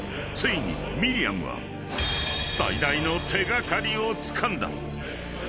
［ついにミリアムは最大の手掛かりをつかんだ］